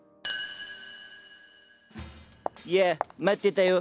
やあ待ってたよ！